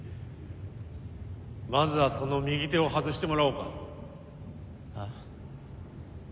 まずはその右手を外してもらおうかああ？